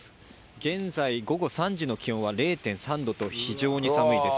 現在午後３時の気温は０．３度と非常に寒いです。